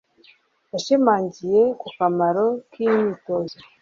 Yashimangiye ku kamaro k'imyitozo.